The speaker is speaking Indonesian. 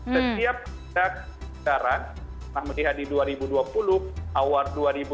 setiap daerah kita lihat di dua ribu dua puluh awal dua ribu dua puluh satu